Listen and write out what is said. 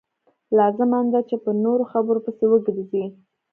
لازمه نه ده چې په نورو خبرو پسې وګرځئ.